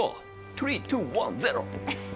トゥリートゥワンゼロ！